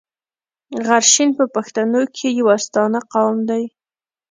غرشین په پښتنو کښي يو ستانه قوم دﺉ.